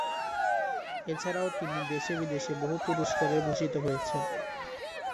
এছাড়াও তিনি দেশে-বিদেশে বহু পুরস্কারে ভূষিত হয়েছেন।